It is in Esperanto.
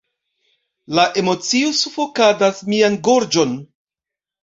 La emocio sufokadas mian gorĝon.